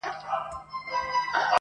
که موچي غریب سي مړ قصاب ژوندی وي!.